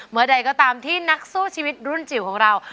เมื่อใดก็ตามที่นักสู้ชีวิตรุ่นจิ๋วของเรา